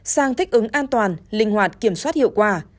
sang thích ứng an toàn linh hoạt kiểm soát hiệu quả